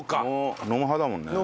飲む派だもんね。